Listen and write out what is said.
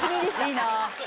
いいな。